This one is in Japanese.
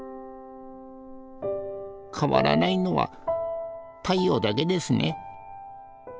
変わらないのは太陽だけですね。